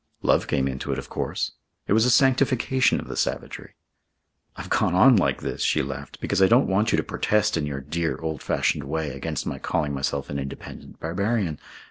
Love came into it, of course. It was a sanctification of the savagery. I've gone on like this," she laughed, "because I don't want you to protest in your dear old fashioned way against my calling myself an independent barbarian.